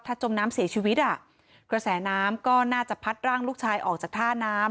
ถ้าจมน้ำเสียชีวิตอ่ะกระแสน้ำก็น่าจะพัดร่างลูกชายออกจากท่าน้ำ